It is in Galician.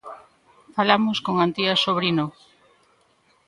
Falamos con Antía Sobrino.